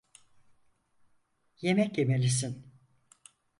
Yemek yemelisin.